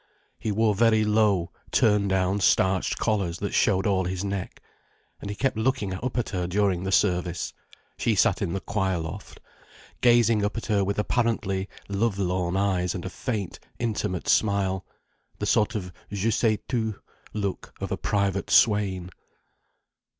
He wore very low, turn down starched collars that showed all his neck. And he kept looking up at her during the service—she sat in the choir loft—gazing up at her with apparently love lorn eyes and a faint, intimate smile—the sort of je sais tout look of a private swain.